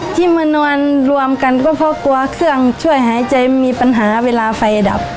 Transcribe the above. ที่มานอนรวมกันก็เพราะกลัวเครื่องช่วยหายใจมีปัญหาเวลาไฟดับ